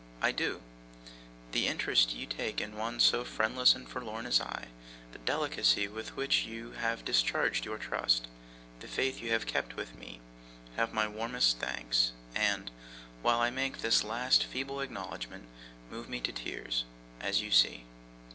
I do. The interest you take in one so friendless and forlorn as I, the delicacy with which you have discharged your trust, the faith you have kept with me, have my warmest thanks: and, while I make this last feeble acknowledgment, move me to tears, as you see.